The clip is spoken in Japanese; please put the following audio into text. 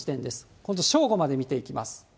今度正午まで見ていきます。